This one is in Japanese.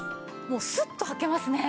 もうスッと履けますね。